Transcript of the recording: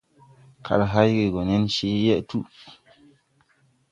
Kal hayge gɔ nen cee yeʼ tuu.